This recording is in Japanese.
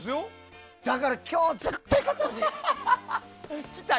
だから、今日絶対勝ってほしい！